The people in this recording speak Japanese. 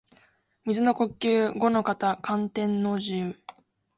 水の呼吸伍ノ型干天の慈雨（ごのかたかんてんのじう）